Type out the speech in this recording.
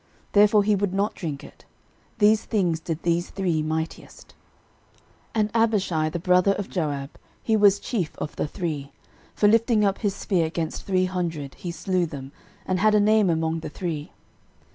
Therefore he would not drink it. These things did these three mightiest. 13:011:020 And Abishai the brother of Joab, he was chief of the three: for lifting up his spear against three hundred, he slew them, and had a name among the three.